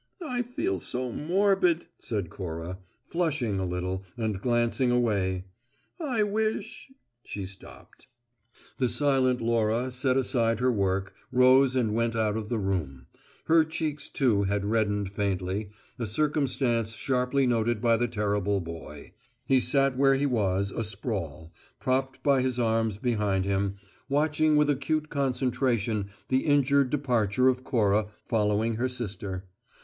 "I feel so morbid," said Cora, flushing a little and glancing away. "I wish " She stopped. The silent Laura set aside her work, rose and went out of the room. Her cheeks, too, had reddened faintly, a circumstance sharply noted by the terrible boy. He sat where he was, asprawl, propped by his arms behind him, watching with acute concentration the injured departure of Cora, following her sister.